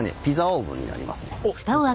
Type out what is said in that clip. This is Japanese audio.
ピザオーブンになりますね。